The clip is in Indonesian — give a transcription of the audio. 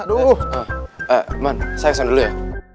eh man saya kesana dulu ya